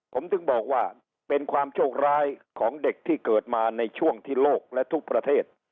ผมถึงบอกว่าเป็นความโชคร้ายของเด็กที่เกิดมาในช่วงที่โลกและทุกประเทศ